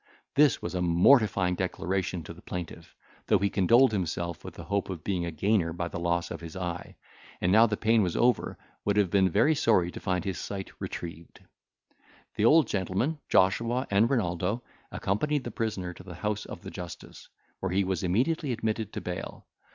This was a mortifying declaration to the plaintiff, though he condoled himself with the hope of being a gainer by the loss of his eye, and now the pain was over would have been very sorry to find his sight retrieved. The old gentleman, Joshua, and Renaldo accompanied the prisoner to the house of the justice, where he was immediately admitted to bail.